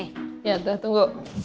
iya tuh tunggu